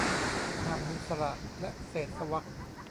ห้ามมีสระและเศษวรรค